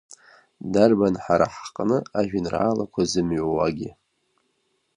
Дарбан ҳара ҳҟны ажәеинраалақәа зымҩуагьы.